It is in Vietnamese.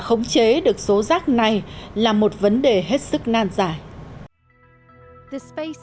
khống chế được số rác này là một vấn đề hết sức nan giải rác vũ trụ không thể bay tứ tán và biến